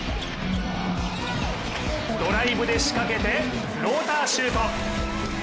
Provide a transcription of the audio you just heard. ドライブで仕掛けてローターシュート。